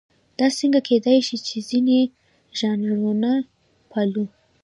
دا څنګه کېدای شي چې ځینې ژانرونه پالو.